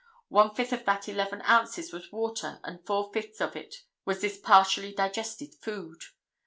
One fifth of that eleven ounces was water and four fifths of it was this partially digested food.